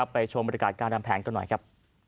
ไปชมบริการการทำแผนกันหน่อยครับ